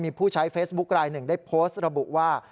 มีผู้ใช้เฟซบุ๊คลายหนึ่งได้โพสต์ระบุว่า